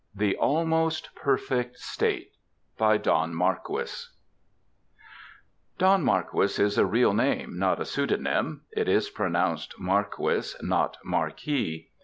THE ALMOST PERFECT STATE By DON MARQUIS Don Marquis is a real name, not a pseudonym; it is pronounced Markwiss, not Markee.